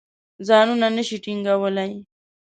ځانونه نه شي ټینګولای.